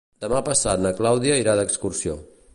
Demà passat na Clàudia irà d'excursió.